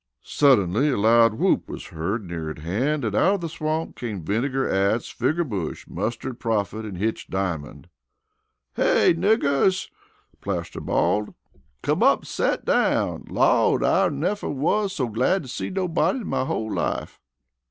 Suddenly a loud whoop was heard near at hand and out of the swamp came Vinegar Atts, Figger Bush, Mustard Prophet and Hitch Diamond. "Hey, niggers!" Plaster bawled. "Come up an' set down. Lawd, I nefer wus so glad to see nobody in my whole life."